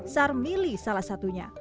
sarmili salah satunya